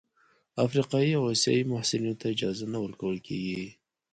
افریقايي او اسیايي محصلینو ته اجازه نه ورکول کیږي.